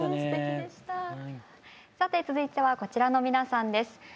さて続いてはこちらの皆さんです。